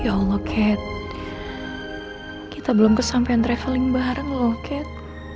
ya allah kat kita belum kesampean traveling bareng loh kat